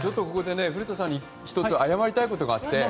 古田さんに１つ謝りたいことがあって。